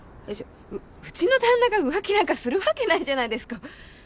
うちの旦那が浮気なんかするわけないじゃないですか。